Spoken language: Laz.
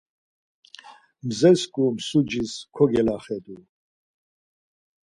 Mzesku msucis kogelaxedu.